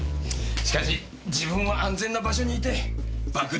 しかし自分は安全な場所にいて爆弾を爆破させる。